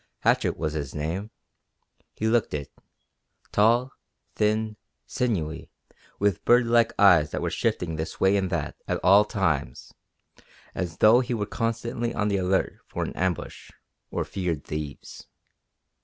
Hatchett was his name. He looked it; tall, thin, sinewy, with bird like eyes that were shifting this way and that at all times, as though he were constantly on the alert for an ambush, or feared thieves.